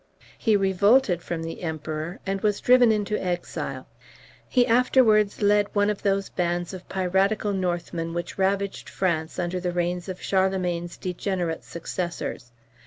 He revolted from the Emperor, and was driven into exile. He afterwards led one of those bands of piratical Northmen which ravaged France under the reigns of Charlemagne's degenerate successors.